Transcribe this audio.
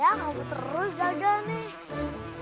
ya kamu terus jaga nih